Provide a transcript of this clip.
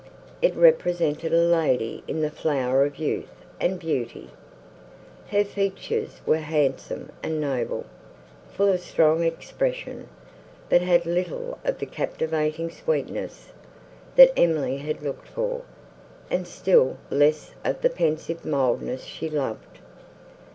It represented a lady in the flower of youth and beauty; her features were handsome and noble, full of strong expression, but had little of the captivating sweetness, that Emily had looked for, and still less of the pensive mildness she loved.